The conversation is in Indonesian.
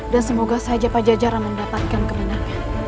dan semoga saja pajajaran mendapatkan kemenangan